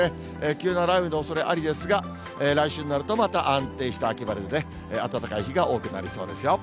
急な雷雨のおそれありですが、来週になるとまた安定した秋晴れでね、暖かい日が多くなりそうですよ。